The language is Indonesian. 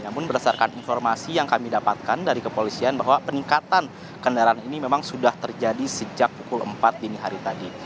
namun berdasarkan informasi yang kami dapatkan dari kepolisian bahwa peningkatan kendaraan ini memang sudah terjadi sejak pukul empat dini hari tadi